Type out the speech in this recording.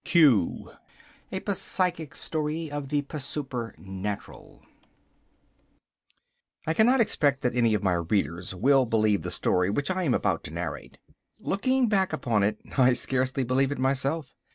"Q." A Psychic Pstory of the Psupernatural I cannot expect that any of my readers will believe the story which I am about to narrate. Looking back upon it, I scarcely believe it myself.